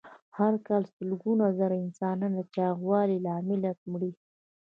هر کال سلګونه زره انسانان د چاغوالي له امله مري.